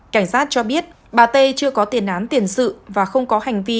cảnh sát cho biết bà tê chưa có tiền án tiền sự và không có hành vi